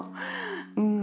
うん。